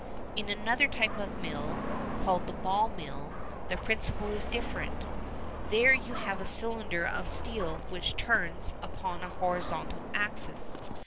In another type of mill, called the ball mill, the principle is different. There you have a cylinder of steel which turns upon a horizontal axis.